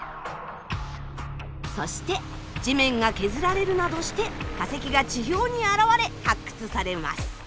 そして地面が削られるなどして化石が地表に現れ発掘されます。